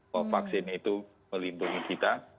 bahwa vaksin itu melindungi kita